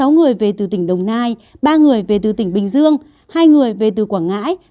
sáu người về từ tỉnh đồng nai ba người về từ tỉnh bình dương hai người về từ quảng ngãi